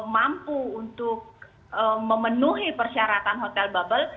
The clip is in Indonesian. mampu untuk memenuhi persyaratan hotel bubble